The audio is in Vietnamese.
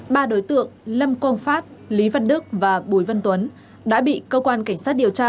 ba đối tượng lâm công phát lý văn đức và bùi văn tuấn đã bị cơ quan cảnh sát điều tra